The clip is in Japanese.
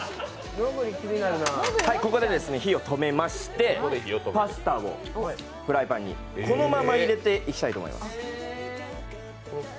ここで火を止めましてパスタをフライパンにこのまま入れていきたいと思います。